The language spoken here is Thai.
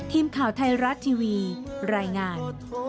ทีมข่าวไทยรัฐทีวีรายงาน